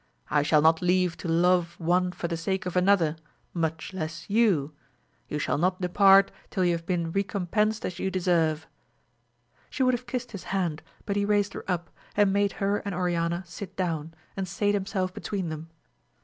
I shall not leave to love one for the sake of another, much less you ! you shall not depart till you have been recompensed as you deserve. She would have kissed his hand, but he raised her up, and made her and Oriana sit down^ 154 AMADIS OF GAUL. and sate himself between them.